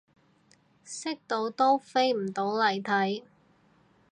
識到都飛唔到嚟睇